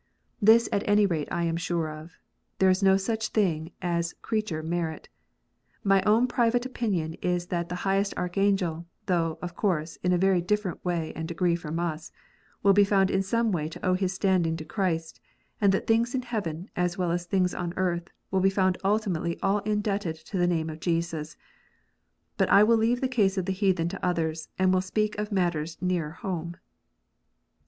This at any rate I am sure of there is no such thing as creature merit. My own private opinion is that the highest Archangel (though, of course, in a very different way and degree from us) will be found in some way to owe his standing to Christ ; and that things in heaven, as well as things on earth, will be found ultimately all indebted to the name of Jesus. But I leave the case of the heathen to others, and will speak of matters nearer home.